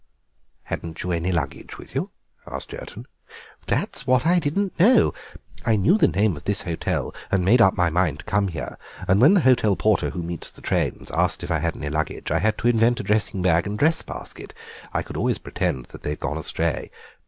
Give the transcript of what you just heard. "Hadn't you any luggage with you?" asked Jerton. "That is what I didn't know. I knew the name of this hotel and made up my mind to come here, and when the hotel porter who meets the trains asked if I had any luggage I had to invent a dressing bag and dress basket; I could always pretend that they had gone astray.